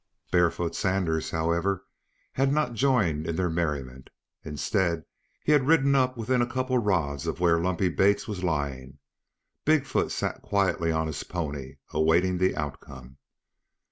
Big foot Sanders, however, had not joined in their merriment. Instead, he had ridden up within a couple of rods of where Lumpy Bates was lying. Big foot sat quietly on his pony, awaiting the outcome.